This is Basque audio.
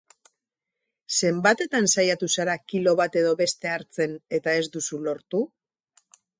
Zenbatetan saiatu zara kilo bat edo beste hartzen eta ez duzu lortu?